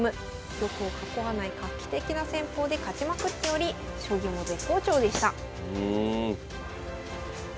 玉を囲わない画期的な戦法で勝ちまくっており将棋も絶好調でした。